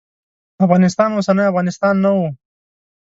افغانستان اوسنی افغانستان نه و.